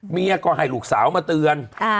เมียก็ให้ลูกสาวมาเตือน